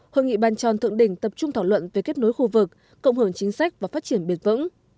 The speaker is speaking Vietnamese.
hội nghị bàn tròn thượng đỉnh tập trung thảo luận về kết nối khu vực cộng hưởng chính sách và phát triển bền vững